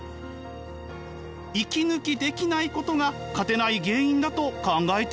息抜きできないことが勝てない原因だと考えているんです。